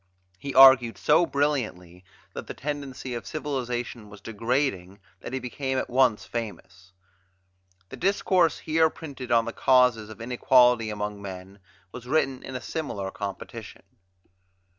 He argued so brilliantly that the tendency of civilization was degrading that he became at once famous. The discourse here printed on the causes of inequality among men was written in a similar competition.